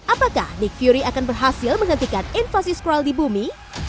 apakah nick fury akan berhasil menghentikan invasi scrall di bumi